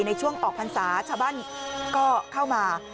ในช่วงออกพรรษาชาวบ้านก็เข้ามา